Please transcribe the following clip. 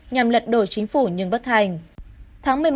nhằm lật đổi chính phủ nhưng bất thành